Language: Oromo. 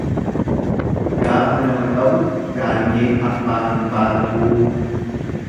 Gaafa nama qabu gaangeen abbaa hin battuu.